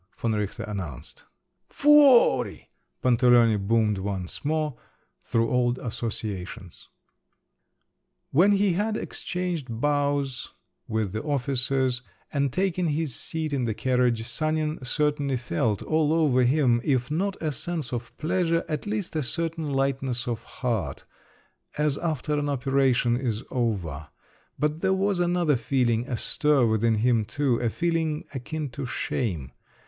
von Richter announced. "Fuori!" Pantaleone boomed once more, through old associations. When he had exchanged bows with the officers, and taken his seat in the carriage, Sanin certainly felt all over him, if not a sense of pleasure, at least a certain lightness of heart, as after an operation is over; but there was another feeling astir within him too, a feeling akin to shame….